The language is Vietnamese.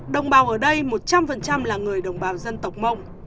đồng bào ở đây một trăm linh là người đồng bào dân tộc mông